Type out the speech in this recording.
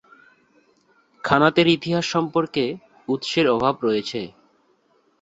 খানাতের ইতিহাস সম্পর্কে, উৎসের অভাব রয়েছে।